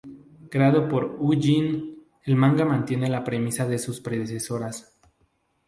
Creado por U-Jin, el manga mantiene la premisa de sus predecesoras.